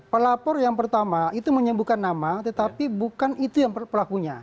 pelapor yang pertama itu menyembuhkan nama tetapi bukan itu yang pelakunya